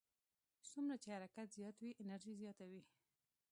څومره چې حرکت زیات وي انرژي زیاته وي.